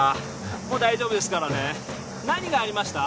もう大丈夫ですからね何がありました？